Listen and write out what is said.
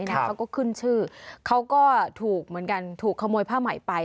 เขาก็ขึ้นชื่อเขาก็ถูกเหมือนกันถูกขโมยผ้าใหม่ไป